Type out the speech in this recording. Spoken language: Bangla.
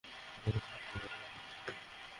আপনি কি পাগল হয়ে গেছেন?